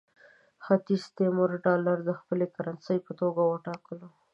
ختیځ تیمور ډالر د خپلې کرنسۍ په توګه وټاکلو.